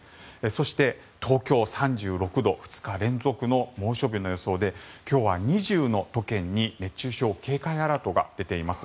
そして、東京は３６度２日連続の猛暑日の予想で今日は２０の都県に熱中症警戒アラートが出てます。